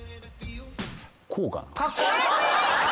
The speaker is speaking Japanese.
こうかな？